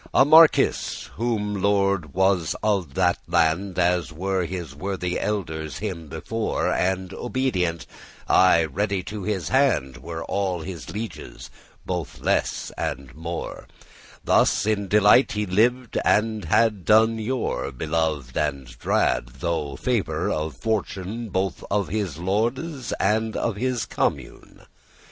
A marquis whilom lord was of that land, As were his worthy elders* him before, *ancestors And obedient, aye ready to his hand, Were all his lieges, bothe less and more: Thus in delight he liv'd, and had done yore,* *long Belov'd and drad,* through favour of fortune, *held in reverence Both of his lordes and of his commune.